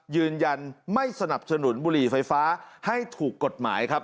ยืนยันไม่สนับสนุนบุหรี่ไฟฟ้าให้ถูกกฎหมายครับ